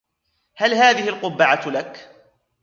هل هذه القبعة لك ؟